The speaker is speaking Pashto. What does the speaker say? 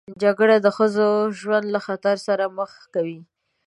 جګړه د ښځو ژوند له خطر سره مخ کوي